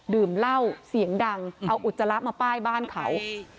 ดื่มเหล้าเสียงดังเอาอุจจาระมาป้ายบ้านเขา